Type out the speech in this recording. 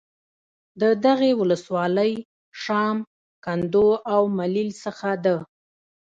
د دغې ولسوالۍ شام ، کندو او ملیل څخه د